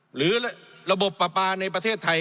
หรือระบบปลาปลาในประเทศไทย